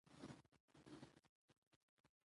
احسان خان د ښوونکي سره د کلیزې په اړه خبرې وکړې